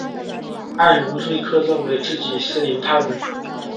艾伦瑞克认为自己是犹太人。